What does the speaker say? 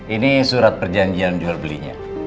ini surat perjanjian jual belinya